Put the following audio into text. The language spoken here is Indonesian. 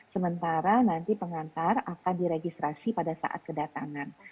sementara nanti pengantar akan diregistrasi pada saat kedatangan